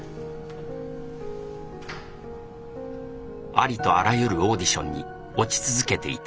ありとあらゆるオーディションに落ち続けていた。